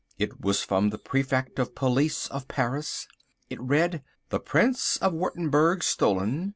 It was from the Prefect of Police of Paris. It read: "The Prince of Wurttemberg stolen.